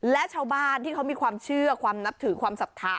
และชาวบ้านที่เขามีความเชื่อความนับถือความศรัทธา